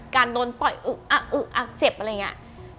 โดนต่อยอึ๊กอักอึกอักเจ็บอะไรอย่างนี้